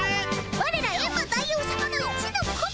ワレらエンマ大王さまの一の子分！